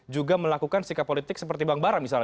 juga melakukan sikap politik seperti bang bara misalnya